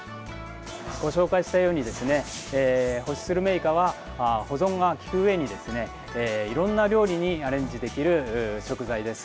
ご紹介したように干しスルメイカは保存が利くうえにいろんな料理にアレンジできる食材です。